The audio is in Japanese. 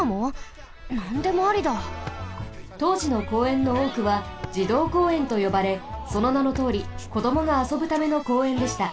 とうじの公園のおおくは児童公園とよばれそのなのとおりこどもがあそぶための公園でした。